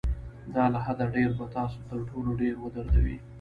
دا له حده ډېر به تاسو تر ټولو ډېر ودردوي.